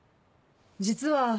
実は。